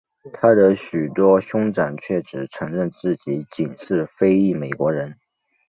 他的许多兄长却只承认自己仅是非裔美国人。